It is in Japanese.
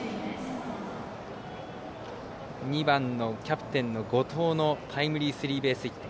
２番のキャプテンの後藤のタイムリースリーベースヒット。